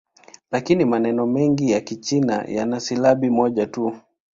Lakini maneno mengi ya Kichina yana silabi moja tu.